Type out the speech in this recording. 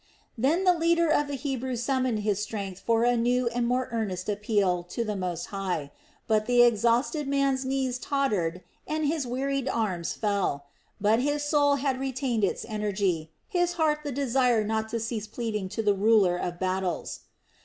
Then the leader of the Hebrews summoned his strength for a new and more earnest appeal to the Most High; but the exhausted man's knees tottered and his wearied arms fell. But his soul had retained its energy, his heart the desire not to cease pleading to the Ruler of Battles.